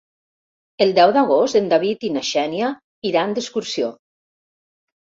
El deu d'agost en David i na Xènia iran d'excursió.